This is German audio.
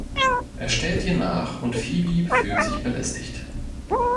Er stellt ihr nach und Phoebe fühlt sich belästigt.